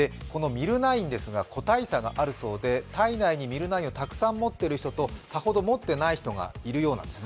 このＭｙｌ９ですが、個体差があるそうで、体内にＭｙｌ９をたくさん持っている人とさほど持っていない人がいるようです。